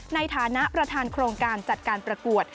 ในฐานะประธานโครงการจัดการประกวด